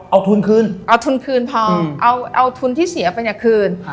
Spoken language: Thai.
เอาทุนคืนเอาทุนคืนพอเอาทุนที่เสียไปเนี่ยคืน